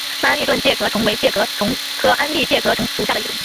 桑安蛎盾介壳虫为盾介壳虫科安蛎盾介壳虫属下的一个种。